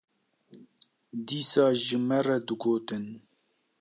dîsa ji me re digotin